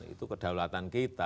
itu kedaulatan kita